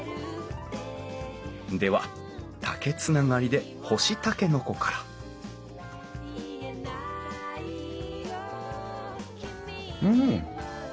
では竹つながりで干しタケノコからうん！